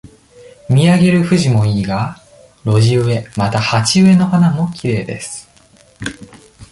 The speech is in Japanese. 見上げるフジもいいが、路地植え、また、鉢植えの花もきれいです。